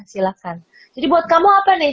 silahkan jadi buat kamu apa nih